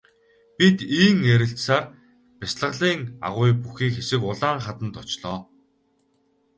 Бид ийн ярилцсаар бясалгалын агуй бүхий хэсэг улаан хаданд очлоо.